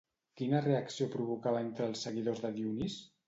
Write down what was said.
Quina reacció provocava entre els seguidors de Dionís?